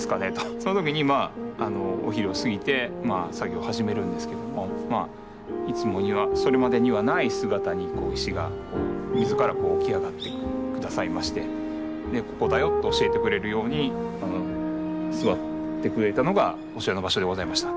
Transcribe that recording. その時にお昼を過ぎて作業を始めるんですけどもいつもにはそれまでにはない姿に石が自ら起き上がってくださいまして「ここだよ」と教えてくれるように座ってくれたのがこちらの場所でございました。